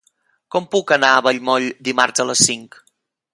Com puc anar a Vallmoll dimarts a les cinc?